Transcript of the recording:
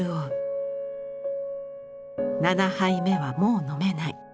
７杯目はもう飲めない。